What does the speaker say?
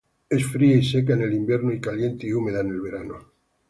Es fría y seca en el invierno y cliente y húmeda en el verano.